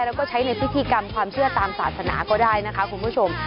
แล้วก็ใช้ในพิธีกรรมความเชื่อตามศาสนาก็ได้นะคะคุณผู้ชม